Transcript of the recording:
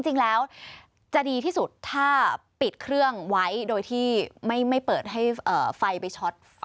จริงแล้วจะดีที่สุดถ้าปิดเครื่องไว้โดยที่ไม่เปิดให้ไฟไปช็อต